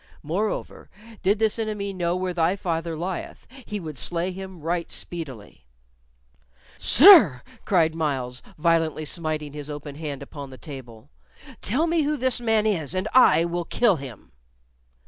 Moreover, did this enemy know where thy father lieth, he would slay him right speedily." "Sir," cried Myles, violently smiting his open palm upon the table, "tell me who this man is, and I will kill him!"